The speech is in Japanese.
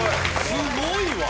すごいわ。